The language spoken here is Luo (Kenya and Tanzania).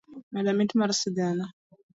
medo mit mar sigana.